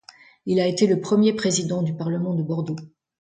Il a été premier président du parlement de Bordeaux.